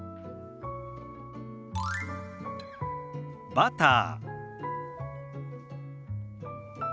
「バター」。